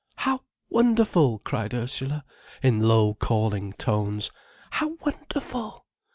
"How wonderful!" cried Ursula, in low, calling tones. "How wonderful!"